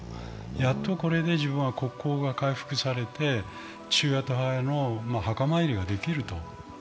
やっとこれで自分は国交が回復されて父親と母親の墓参りができると。